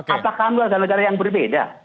apakah luar negara negara yang berbeda